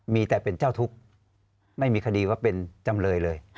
มีแต่เป็นเจ้าทุกข์ไม่มีคดีว่าเป็นจำเลยเลย